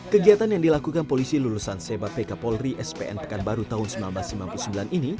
kegiatan yang dilakukan polisi lulusan sebat vk polri spn pekanbaru tahun seribu sembilan ratus sembilan puluh sembilan ini